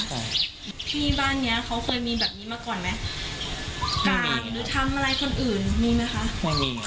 ของพี่บ้านเนี้ยเขาเคยมีแบบนี้มาก่อนไหมกราบหรือทำอะไรคนอื่นมีไหมคะ